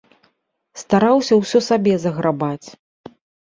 Стараўся ўсё сабе заграбаць.